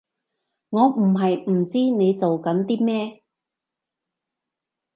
我唔係唔知你做緊啲咩